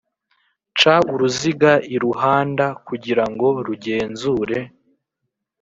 Ca uruziga iruhanda kugira ngo rugenzure